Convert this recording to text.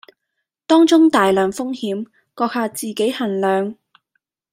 當中大量風險，閣下自己衡量